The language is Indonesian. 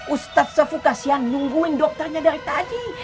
ustadz sofu kasihan nungguin dokternya dari tadi